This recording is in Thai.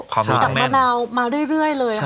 ความขมะนาวมาเรื่อยเลย